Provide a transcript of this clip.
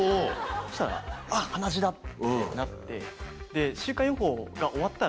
そしたらあっ鼻血だ！ってなって。